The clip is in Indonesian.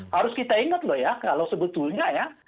harus kita ingat loh ya kalau sebetulnya ya